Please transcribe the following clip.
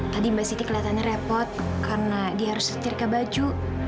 tadi mbak siti kelihatannya repot karena dia harus cari ke baju